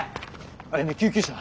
あやね救急車！